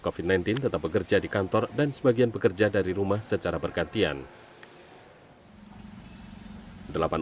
kofit sembilan belas tetap bekerja di kantor dan sebagian bekerja dari rumah secara bergantian delapan